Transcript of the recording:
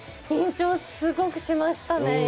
緊張すごくしましたね。